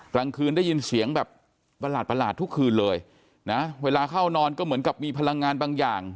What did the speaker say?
กลางคืนได้ยินเสียงแบบประหลาดทุกคืนเลยนะเวลาเข้านอนก็เหมือนกับมีพลังงานบางอย่าง